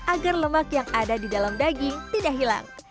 agar lemak yang ada di dalam daging tidak hilang